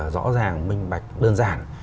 rõ ràng minh bạch đơn giản